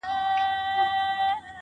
څوك دي د جاناني كيسې نه كوي.